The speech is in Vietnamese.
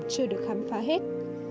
chưa được khám phá hết